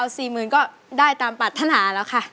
สี่หมื่นก็ได้ตามปรัฐนาแล้วค่ะ